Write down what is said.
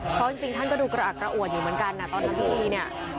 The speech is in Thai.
เพราะจริงท่านก็ดูกระอักกระอวดอยู่เหมือนกันตอนทำพิธีเนี่ย